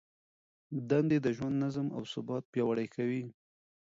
دندې د ژوند نظم او ثبات پیاوړی کوي.